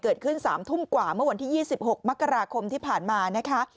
เกิดขึ้น๓ทุ่มกว่าเมื่อวันที่๒๖มกราคมที่ผ่านมานะคะ